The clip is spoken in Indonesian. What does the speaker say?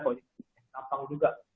tapi yang terlalu gampang juga